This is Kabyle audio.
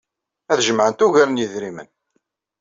Ad jemɛent ugar n yedrimen.